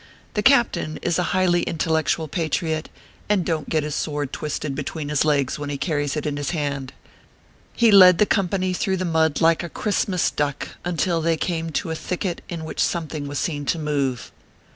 The Captain is a highly intellectual patriot, and don t get his sword twisted between his legs when he carries it in his hand. He led the com pany through the mud like a Christmas duck, until they came to a thicket in which something was seen to move.